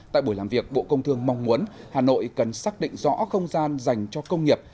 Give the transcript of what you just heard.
tại buổi làm việc bộ công thương mong muốn hà nội cần xác định rõ không gian dành cho công nghiệp